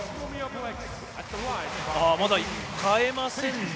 まだ代えませんね。